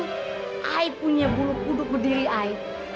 saya punya bulu kuduk berdiri saya